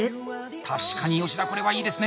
確かに吉田これはいいですね。